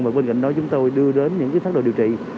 và bên cạnh đó chúng tôi đưa đến những pháp đồ điều trị